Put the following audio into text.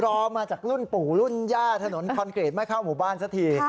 รอมาจากรุ่นปู่รุ่นย่าถนนคอนกรีตไม่เข้าหมู่บ้านสักที